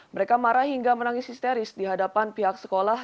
mereka marah hingga menangis histeris di hadapan pihak sekolah